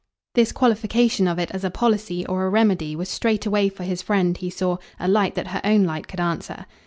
This qualification of it as a policy or a remedy was straightway for his friend, he saw, a light that her own light could answer.